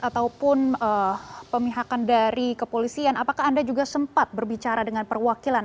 ataupun pemihakan dari kepolisian apakah anda juga sempat berbicara dengan perwakilan